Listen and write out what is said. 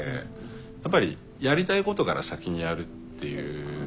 やっぱりやりたいことから先にやるっていうのを。